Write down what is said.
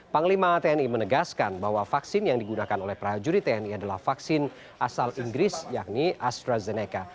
panglima tni menegaskan bahwa vaksin yang digunakan oleh prajurit tni adalah vaksin asal inggris yakni astrazeneca